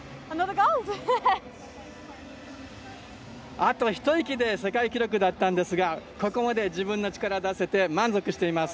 あとひと息で世界記録だったんですがここまで自分の力を出せて満足しています。